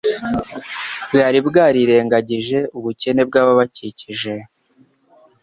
bwari bwarirengagije ubukene bw'ababakikije.